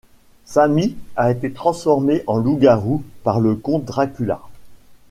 Sammy a été transformé en loup-garou par le comte Dracula.